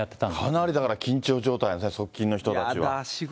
かなりだから緊張状態ですね、側近の人たちは。